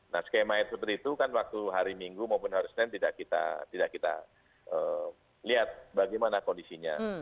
nah skema air seperti itu kan waktu hari minggu maupun hari senin tidak kita lihat bagaimana kondisinya